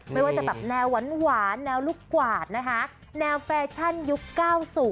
ไม่ว่าจะแบบแนวหวานแนวลูกกวาดนะคะแนวแฟชั่นยุค๙๐